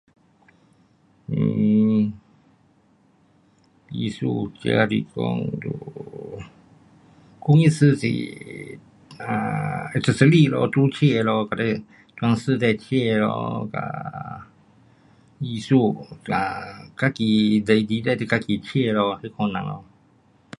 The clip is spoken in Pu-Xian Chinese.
um 艺术家来讲就工艺师是，um 是修炼咯，做车咯，装饰的车咯嘎艺术，哒自己喜欢的就自己建咯，这款人咯。